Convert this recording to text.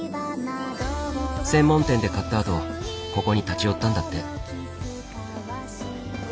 専門店で買ったあとここに立ち寄ったんだって。